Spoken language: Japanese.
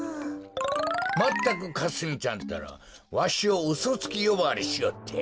まったくかすみちゃんったらわしをうそつきよばわりしおって。